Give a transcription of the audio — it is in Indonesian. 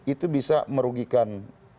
itu bisa merugikan